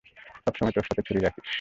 সবসময় তোর সাথে ছুরি রাখিস!